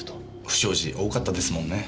不祥事多かったですもんね。